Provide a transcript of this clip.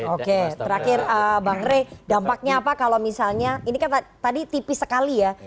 oke terakhir bang rey dampaknya apa kalau misalnya ini kan tadi tipis sekali ya